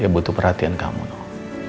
ya butuh perhatian kamu noh